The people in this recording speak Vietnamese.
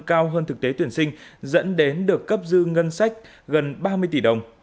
cao hơn thực tế tuyển sinh dẫn đến được cấp dư ngân sách gần ba mươi tỷ đồng